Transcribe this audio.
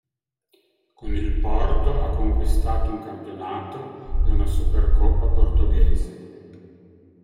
Con il Porto ha conquistato un campionato e una Supercoppa portoghese.